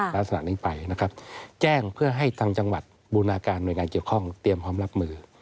ลักษณะนี้ไปนะครับแจ้งเพื่อให้ทางจังหวัดบูรณาการหน่วยงานเกี่ยวข้องเตรียมพร้อมรับมือ